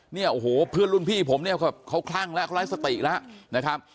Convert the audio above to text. เนี่ยโอ้โหเพื่อนรุ่นพี่ผมเนี่ยเขาคลั่งแล้วเขาไร้สติแล้วนะครับ